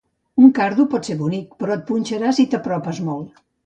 Un cardo pot ser bonic, però et punxarà si t'apropes molt.